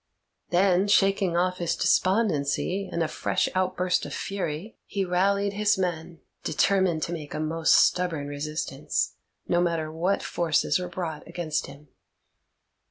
Then, shaking off his despondency in a fresh outburst of fury, he rallied his men, determined to make a most stubborn resistance, no matter what forces were brought against him.